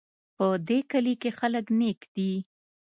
په دې کلي کې خلک نیک دي